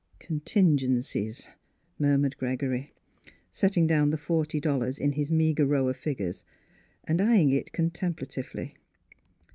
" Contingencies," murmured Gregory, setting down the forty dollars in his meagre row of figures and eyeing it con templatively.